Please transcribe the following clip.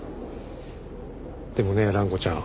でもね蘭子ちゃん。